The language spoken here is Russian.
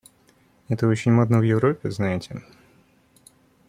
Это очень модно в Европе, знаете.